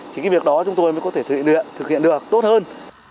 cái việc đó chúng tôi mới có thể thực hiện được tốt hơn